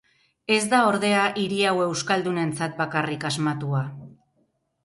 Ez da ordea hiri hau euskaldunentzat bakarrik asmatua.